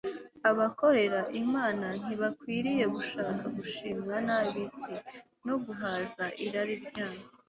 abakorera imana ntibakwiriye gushaka gushimwa n'ab'isi no guhaza irari ryabo